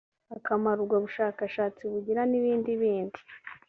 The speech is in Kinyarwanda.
akamaro ubwo bushakashatsi bugira n’ibindi n’ibindi